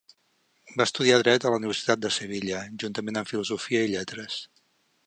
Va estudiar dret a la Universitat de Sevilla, juntament amb filosofia i lletres.